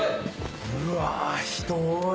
うわ人多い。